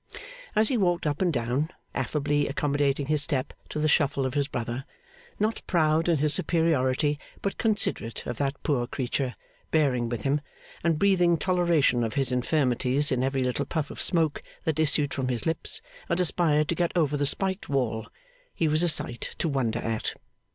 As he walked up and down, affably accommodating his step to the shuffle of his brother, not proud in his superiority, but considerate of that poor creature, bearing with him, and breathing toleration of his infirmities in every little puff of smoke that issued from his lips and aspired to get over the spiked wall, he was a sight to wonder at.